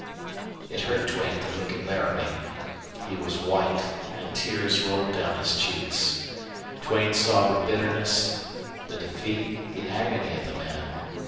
It hurt Duane to look at Laramie. He was white, and tears rolled down his cheeks. Duane saw the bitterness, the defeat, the agony of the man.